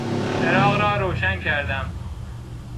چراغ را روشن کردم.